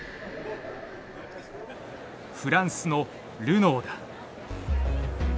フランスの「ルノー」だ。